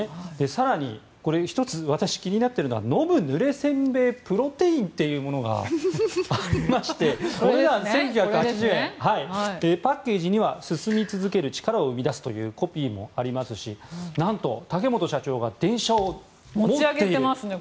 更に１つ、私が気になっているのは飲むぬれ煎餅プロテインというものがありまして１９８０円でパッケージには「進み続けるチカラを生み出す」というコピーもありますし何と竹本社長が電車を持っている。